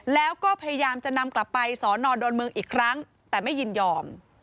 แล้วก็พยายามจะนำกลับไปสอนอดอนเมืองอีกครั้งแต่ไม่ยินยอม